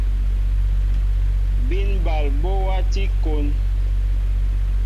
Bín ɓal ɓɔ wati kón.